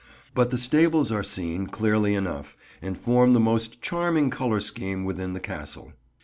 But the Stables are seen, clearly enough, and form the most charming colour scheme within the Castle.